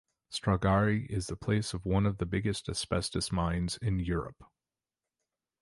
Stragari is the place of one of the biggest asbestos mines in Europe.